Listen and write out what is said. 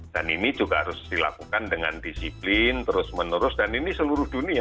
dan ini juga harus dilakukan dengan disiplin terus menerus dan ini seluruh dunia